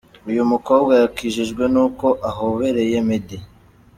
Uyu mukobwa yakijijwe n’uko ahobereye Meddy.